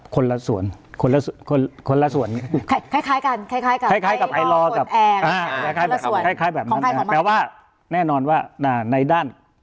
กัข่าวอบแทนและจัดหลบ